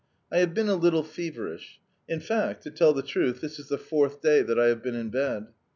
I have been a little feverish. In fact, to tell the truth, this is the fourth day that I have been in bed.